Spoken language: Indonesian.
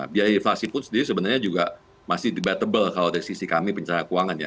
biaya inflasi pun sendiri sebenarnya juga masih debatable kalau dari sisi kami pencerahan keuangan ya